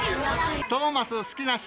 トーマス好きな人？